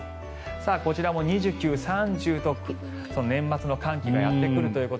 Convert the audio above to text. こちらも２９、３０と年末の寒気がやってくるということ。